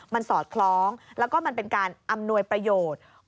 มันสอดคล้องแล้วก็มันเป็นการอำนวยประโยชน์